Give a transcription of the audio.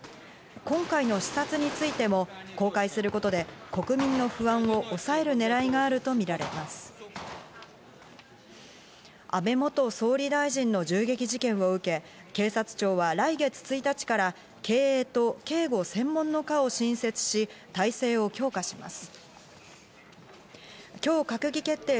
今回の視察についても公開することで国民の不安を抑えるねらいが安倍元総理大臣の銃撃事件を受け、警察庁は来月１日から警衛と警護専門の課を新設し、体制を強化します。